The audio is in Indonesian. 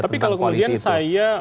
tapi kalau kemudian saya